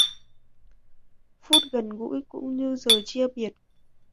Phút gần gũi cũng như giờ chia biệt